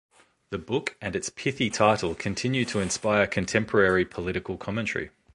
The book, and its pithy title, continue to inspire contemporary political commentary.